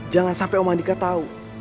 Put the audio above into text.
jangan sampai om andika tahu